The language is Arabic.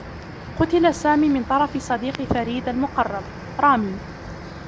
قُتِلَ سامي من طرف صديق فريد المقرّب، رامي.